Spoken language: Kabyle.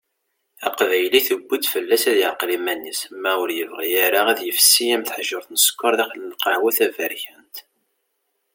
Aqbayli, tuwi-d fell-as ad yeɛqel iman-is ma ur yebɣi ara ad yefsi am teḥjurt n ssekker daxel lqahwa taberkant.